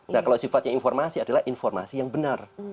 nah kalau sifatnya informasi adalah informasi yang benar